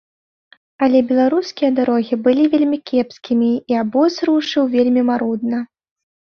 Але беларускія дарогі былі вельмі кепскімі, і абоз рушыў вельмі марудна.